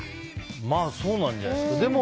まあ、そうなんじゃないですか。